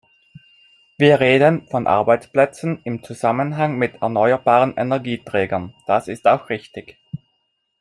Wir reden von Arbeitsplätzen im Zusammenhang mit erneuerbaren Energieträgern, das ist auch richtig.